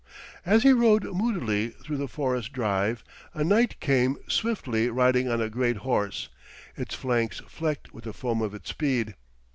As he rode moodily through the forest drive, a knight came swiftly riding on a great horse, its flanks flecked with the foam of its speed.